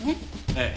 ええ。